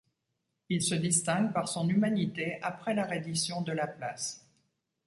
Il se distingue par son humanité après la reddition de la place.